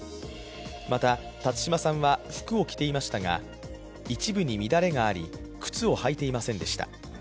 また、辰島さんは服を着ていましたが、一部に乱れがあり、靴を履いていませんでした。